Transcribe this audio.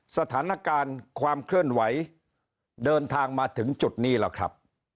สถานการณ์ความเคลื่อนไหวเดินทางมาถึงจุดนี้แล้วครับ